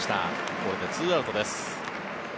これで２アウトです。